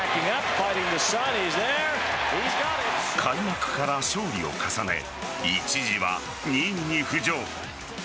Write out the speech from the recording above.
開幕から勝利を重ね一時は２位に浮上。